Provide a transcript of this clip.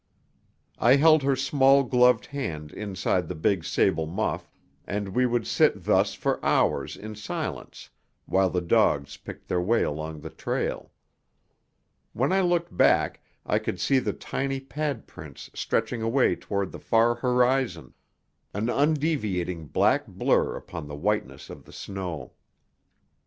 I held her small gloved hand inside the big sable muff, and we would sit thus for hours in silence while the dogs picked their way along the trail. When I looked back I could see the tiny pad prints stretching away toward the far horizon, an undeviating black blur upon the whiteness of the snow.